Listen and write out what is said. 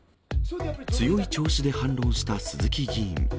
強い調子で反論した鈴木議員。